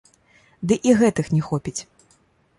Ды і гэтых не хопіць.